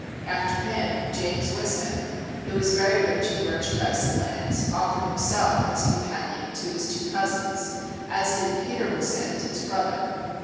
After him, James Wisant, who was very rich in merchandise and lands, offered himself as companion to his two cous ins, as did Peter Wisant, his brother.